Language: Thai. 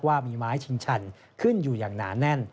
ว่ามีไม้ชิงชันขึ้นอยู่อย่างหนาแน่น